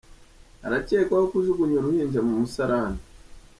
Arakekwaho kujugunya uruhinja mu musarani